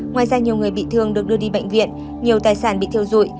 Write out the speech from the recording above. ngoài ra nhiều người bị thương được đưa đi bệnh viện nhiều tài sản bị thiêu dụi